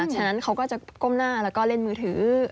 ฉะนั้นเขาก็จะก้มหน้าแล้วก็เล่นมือถือ